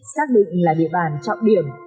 xác định là địa bàn trọng điểm